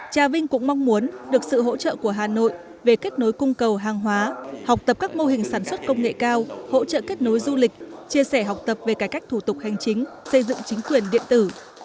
trà vinh cũng mong muốn được sự hỗ trợ của hà nội về kết nối cung cầu hàng hóa học tập các mô hình sản xuất công nghệ cao hỗ trợ kết nối du lịch chia sẻ học tập về cải cách thủ tục hành chính xây dựng chính quyền điện tử